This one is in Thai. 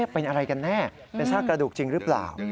เป็นอะไรกันแน่เป็นซากกระดูกจริงหรือเปล่า